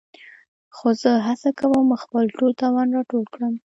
خو زه هڅه کوم خپل ټول توان راټول کړم.